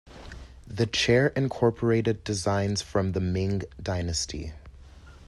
The chair incorporated designs from the Ming dynasty.